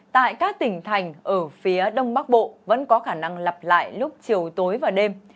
tại các tỉnh thành ở phía đông bắc bộ vẫn có khả năng lặp lại lúc chiều tối và đêm